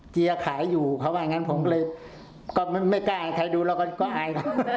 เกียร์ขายอยู่เพราะว่างั้นผมเลยก็ไม่กล้าใครดูแล้วก็ก็อาย